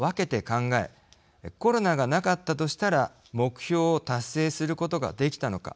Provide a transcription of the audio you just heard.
コロナがなかったとしたら目標を達成することができたのか。